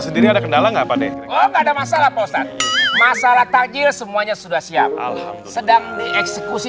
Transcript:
sendiri ada kendala nggak pak deh masalah takjil semuanya sudah siap sedang eksekusi